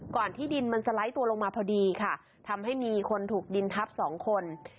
ที่ดินมันสไลด์ตัวลงมาพอดีค่ะทำให้มีคนถูกดินทับสองคน